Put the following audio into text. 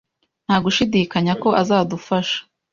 Nta gushidikanya ko azadufasha?